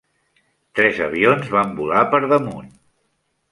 Tres avions van volar per damunt.